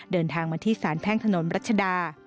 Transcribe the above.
เดินทางมาที่สารแพ่งถนนรัชดา